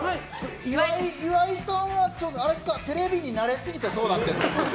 岩井さんはテレビに慣れすぎてそうなっているの？